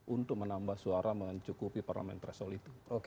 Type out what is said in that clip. untuk menambah suara mencukupi parlamen tresor itu